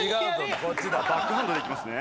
バックハンドでいきますね。